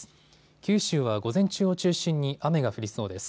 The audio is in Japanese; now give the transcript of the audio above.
九州は午前中を中心に雨が降りそうです。